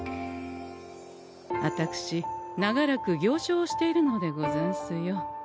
あたくし長らく行商をしているのでござんすよ。